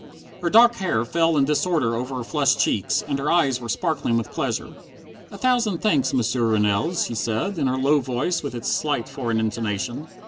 Her dark hair fell in disorder over her flushed cheeks, and her eyes were sparkling with pleasure. "A thousand thanks, M'sieur Rennell," she said, in her low voice with its slight foreign intonation.